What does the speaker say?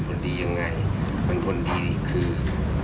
ผลดีอย่างไรคือ